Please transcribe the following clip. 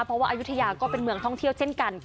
เพราะว่าอายุทยาก็เป็นเมืองท่องเที่ยวเช่นกัน